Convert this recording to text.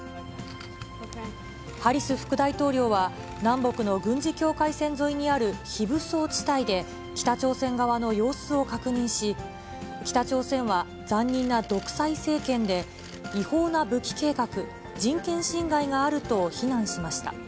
ハリス副大統領は、南北の軍事境界線沿いにある非武装地帯で、北朝鮮側の様子を確認し、北朝鮮は残忍な独裁政権で、違法な武器計画、人権侵害があると非難しました。